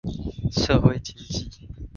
社會經濟